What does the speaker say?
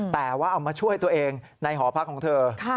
แต่ว่าเอามาช่วยตัวเองในหอพักของเธอ